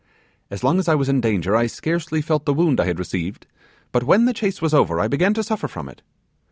'As long as I was in danger I scarcely felt the wound I had received; but when the chase was over I began to suffer from it.